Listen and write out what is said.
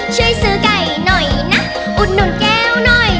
ช่วยซื้อไก่หน่อยนะอุดหนุนแก้วหน่อย